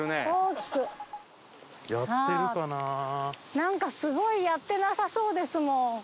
なんかすごいやってなさそうですもん。